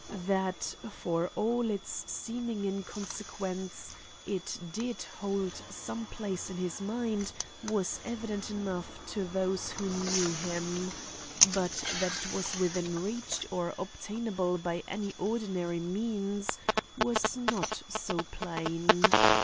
That, for all its seeming inconsequence, it did hold some place in his mind was evident enough to those who knew him; but that it was within reach or obtainable by any ordinary means was not so plain.